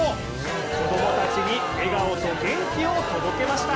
子供たちに笑顔と元気を届けました。